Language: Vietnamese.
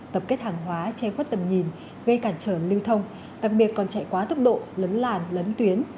tập kết hàng hóa che khuất tầm nhìn gây cản trở lưu thông đặc biệt còn chạy quá tốc độ lấn làn lấn tuyến